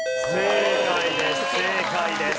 正解です。